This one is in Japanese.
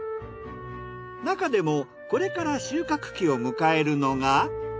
なかでもこれから収穫期を迎えるのが。